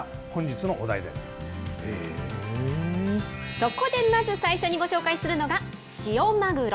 そこでまず最初にご紹介するのが、塩マグロ。